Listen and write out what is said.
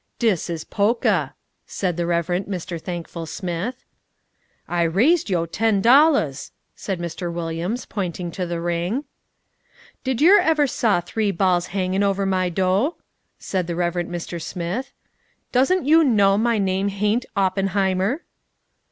"Dis is pokah," said the Reverend Mr. Thankful Smith. "I rised yo' ten dollahs," said Mr. Williams, pointing to the ring. "Did yer ever saw three balls hangin' over my do'?" asked the Reverend Mr. Smith. "Doesn't yo' know my name hain't Oppenheimer?"